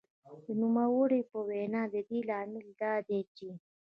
د نوموړې په وینا د دې لامل دا دی چې